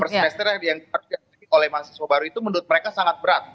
semester yang oleh mahasiswa baru itu menurut mereka sangat berat